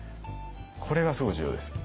これがすごい重要です。